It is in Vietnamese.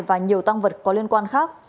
và nhiều tăng vật có liên quan khác